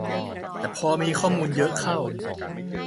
แต่พอมีข้อมูลเยอะเข้า